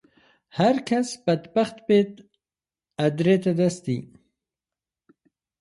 هەرکەس بەدبەخت بێ ئەدرێتە دەستی